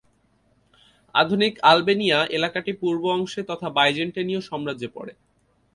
আধুনিক আলবেনিয়া এলাকাটি পূর্ব অংশে তথা বাইজেন্টীয় সাম্রাজ্যে পড়ে।